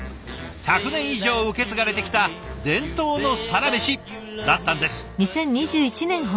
１００年以上受け継がれてきた伝統のサラメシだったんです。